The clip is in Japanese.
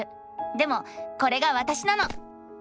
でもこれがわたしなの！